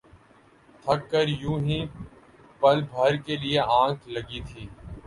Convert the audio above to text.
تھک کر یوں ہی پل بھر کے لیے آنکھ لگی تھی